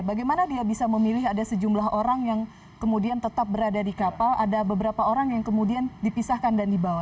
bagaimana dia bisa memilih ada sejumlah orang yang kemudian tetap berada di kapal ada beberapa orang yang kemudian dipisahkan dan dibawa